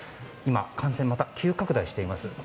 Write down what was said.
今、感染がまた急拡大しています。